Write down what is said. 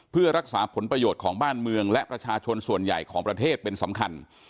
เพื่อรักษาผลประโยชน์ของบ้านเมืองและประชาชนส่วนใหญ่ของประเทศเป็นสำคัญ